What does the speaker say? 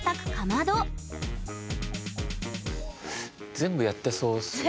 全部やってそうっすよね。